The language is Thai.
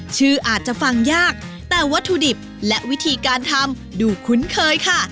ชื่ออาจจะฟังยากแต่วัตถุดิบและวิธีการทำดูคุ้นเคยค่ะ